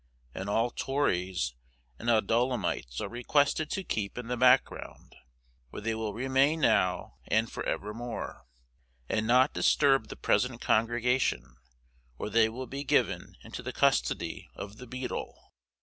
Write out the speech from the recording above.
And all Tories and Adullamites are requested to keep in the background, where they will remain now and for evermore, and not disturb the present congregation, or they will be given into the custody of the beadle.